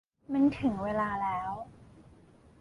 มันถึงเวลาแล้ว